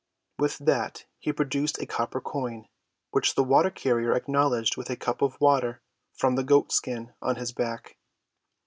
With that he produced a copper coin, which the water‐carrier acknowledged with a cup of water from the goat‐skin on his back.